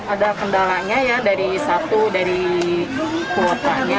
ada kendalanya ya dari satu dari kuotanya